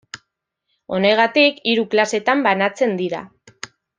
Honegatik, hiru klasetan banatzen dira.